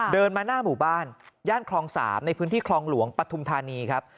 เดินมาหน้าหมู่บ้านย่านคลอง๓ในพื้นที่คลองหลวงปฐุมธานีครับ